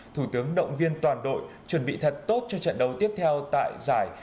thủ tướng động viên toàn đội chuẩn bị thật tốt cho trận đấu tiếp theo tại giải